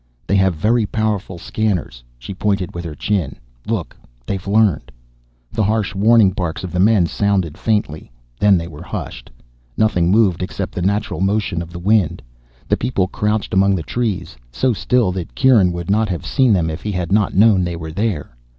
"They have very powerful scanners." She pointed with her chin. "Look. They've learned." The harsh warning barks of the men sounded faintly, then were hushed. Nothing moved, except by the natural motion of the wind. The people crouched among the trees, so still that Kieran would not have seen them if he had not known they were there.